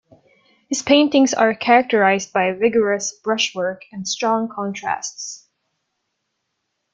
His paintings are characterized by vigorous brushwork and strong contrasts.